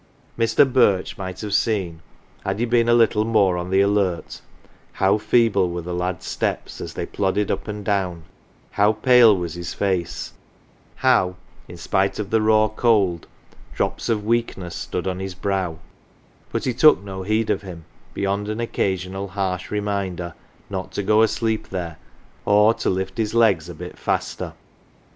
m Wf^p 1 ^ Mr. Birch might have seen, had he been a little more on the alert, how feeble were the lad's steps as they plodded up and down, how pale was his face, how, in spite of the raw cold, drops of weakness stood on his brow ; but he took no heed of him beyond an occasional harsh reminder not to go asleep there, or to lift his legs a bit faster.